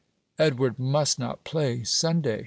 Edward must not play Sunday!"